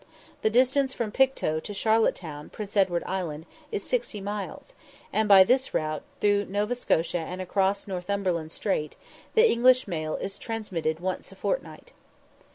The distance from Pictou to Charlotte Town, Prince Edward Island, is sixty miles, and by this route, through Nova Scotia and across Northumberland Strait, the English mail is transmitted once a fortnight.